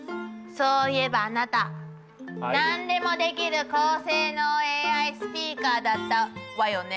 そういえばあなた何でもできる高性能ＡＩスピーカーだったわよね。